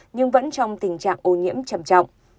nhưng vẫn trong tình trạng ô nhiễm chầm trọng